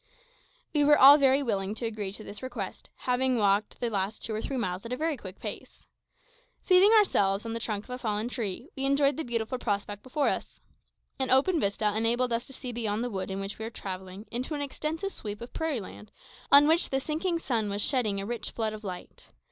We were all very willing to agree to this request, having walked the last two or three miles at a very quick pace. Seating ourselves on the trunk of a fallen tree, we enjoyed the beautiful prospect before us. An open vista enabled us to see beyond the wood in which we were travelling into an extensive sweep of prairie land on which the sinking sun was shedding a rich flood of light.